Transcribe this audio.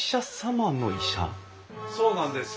そうなんです。